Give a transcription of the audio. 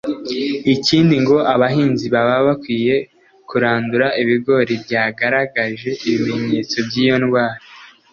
Ikindi ngo abahinzi baba bakwiye kurandura ibigori byagaragaje ibimenyetso by’iyo ndwara